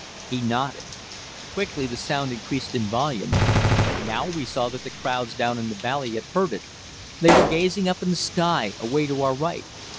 He nodded. Quickly the sound increased in volume. Now we saw that the crowds down in the valley had heard it. They were gazing up in the sky, away to our right.